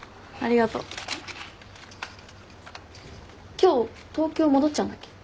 今日東京戻っちゃうんだっけ。